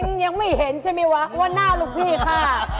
เองยังไม่เห็นใช่ไหมว่าว่าน่าลูกพี่ค่ะ